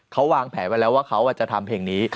เขาวางแผนไว้แล้วว่าเขาจะทำเพลงนี้